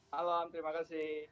selamat malam terima kasih